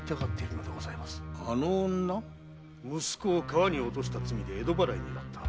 息子を川に落とした罪で江戸払いになった。